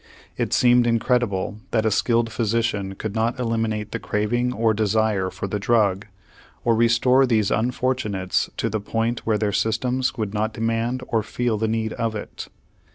It seemed incredible that a skilled physician could not eliminate the craving or desire for the drug, or restore these unfortunates to the point where their systems would not demand or feel the need of it.